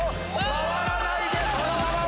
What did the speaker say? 「回らないでそのまま」